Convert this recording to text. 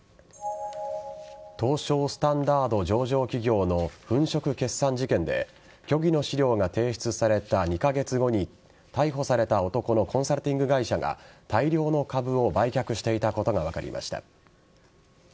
東証スタンダード上場企業の粉飾決算事件で虚偽の資料が提出された２カ月後に逮捕された男のコンサルティング会社が大量の株を売却していたことが分かりました。